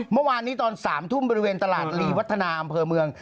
เมื่อวานนี้ตอน๓ทุ่มบริเวณตลาดลีวัฒนาอำเภอเมือง